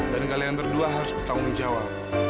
dan kalian berdua harus bertanggung jawab